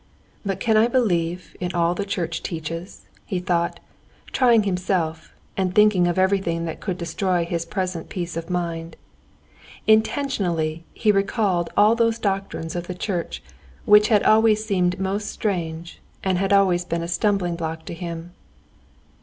"But can I believe in all the church teaches?" he thought, trying himself, and thinking of everything that could destroy his present peace of mind. Intentionally he recalled all those doctrines of the church which had always seemed most strange and had always been a stumbling block to him.